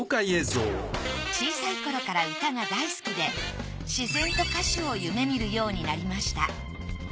小さい頃から歌が大好きでしぜんと歌手を夢見るようになりました。